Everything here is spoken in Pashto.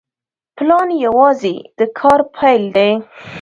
پلان یوازې د کار پیل دی.